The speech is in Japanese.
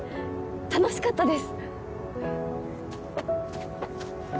楽しかったです。